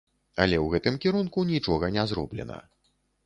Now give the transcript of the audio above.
Але ў гэтым кірунку нічога не зроблена.